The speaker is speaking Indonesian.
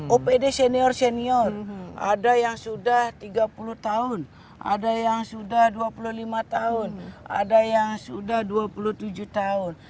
opd senior senior ada yang sudah tiga puluh tahun ada yang sudah dua puluh lima tahun ada yang sudah dua puluh tujuh tahun